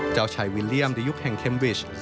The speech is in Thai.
เจ้าชายวิลเลี่ยมในยุคแห่งเคมวิช